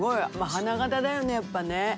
花形だよねやっぱね。